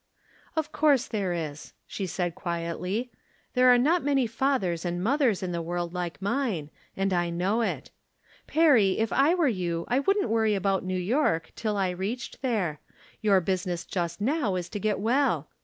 Of course there is," she said, quietly. " There are not many fathers and mothers in the world like mine, and I know it. Perry, if I were you I wouldn't worry about New York tUl I reached there. Your business just now is to get well.